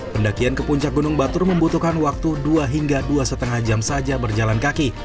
pendakian ke puncak gunung batur membutuhkan waktu dua hingga dua lima jam saja berjalan kaki